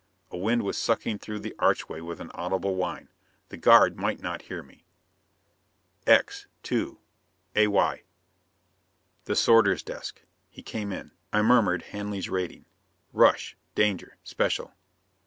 A wind was sucking through the archway with an audible whine: the guard might not hear me. "X. 2. AY." The sorter's desk. He came in. I murmured Hanley's rating. "Rush. Danger. Special."